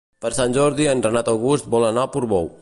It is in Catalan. Per Sant Jordi en Renat August vol anar a Portbou.